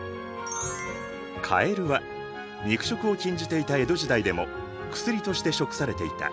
かえるは肉食を禁じていた江戸時代でも薬として食されていた。